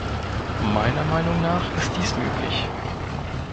Meiner Meinung nach ist dies möglich.